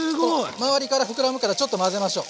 周りから膨らむからちょっと混ぜましょう。